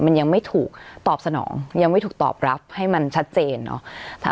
มันยังไม่ถูกตอบสนองยังไม่ถูกตอบรับให้มันชัดเจนเนอะ